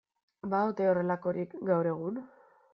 Ba ote horrelakorik gaur egun?